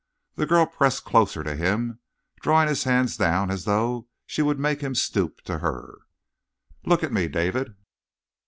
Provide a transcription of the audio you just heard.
The girl pressed closer to him, drawing his hands down as though she would make him stoop to her. "Look at me, David!"